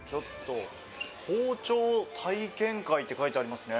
「包丁体験会」って書いてありますね。